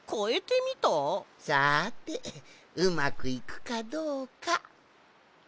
さてうまくいくかどうか。